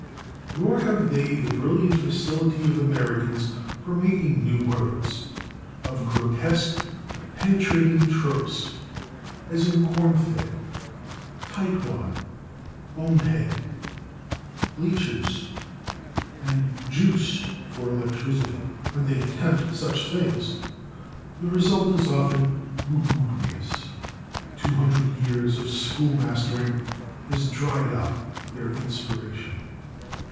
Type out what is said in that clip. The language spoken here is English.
Nor have they the brilliant facility of Americans for making new words of grotesque but penetrating tropes, as in /corn fed/, /tight wad/, /bone head/, /bleachers/ and /juice/ (for /electricity/); when they attempt such things the result is often lugubrious; two hundred years of schoolmastering has dried up their inspiration.